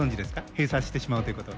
閉鎖してしまうということは。